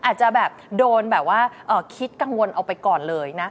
อาจจะแบบโดนแบบว่าคิดกังวลเอาไปก่อนเลยนะ